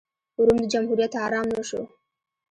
روم جمهوریت ارام نه شو.